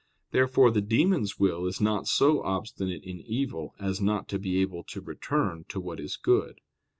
Therefore the demons' will is not so obstinate in evil as not to be able to return to what is good.